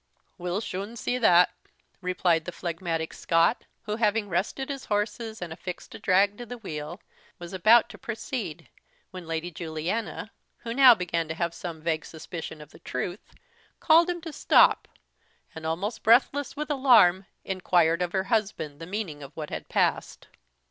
"We'll shune see that," replied the phlegmatic Scot, who, having rested his horses and affixed a drag to the wheel, was about to proceed, when Lady Juliana, who now began to have some vague suspicion of the truth, called to him to stop, and, almost breathless with alarm, inquired of her husband the meaning of what had passed.